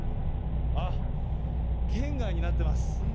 あっ、圏外になってます。